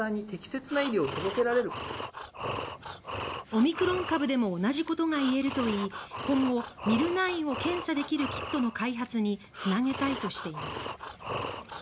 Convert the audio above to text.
オミクロン株でも同じことが言えるといい今後、「Ｍｙｌ９」を検査できるキットの開発に繋げたいとしています。